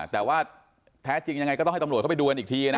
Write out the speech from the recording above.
แต่ว่าแท้จริงยังไงก็ต้องให้ตำรวจเข้าไปดูกันอีกทีนะ